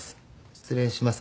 失礼します。